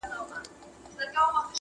• د نن سبا په هیله -